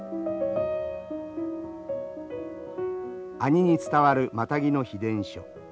阿仁に伝わるマタギの秘伝書。